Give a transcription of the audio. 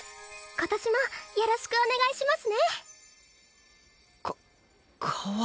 今年もよろしくお願いします。